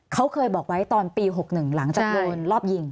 เขาเคยบอกไว้ตอนปี๖๑หลังจากโดนรอบยิง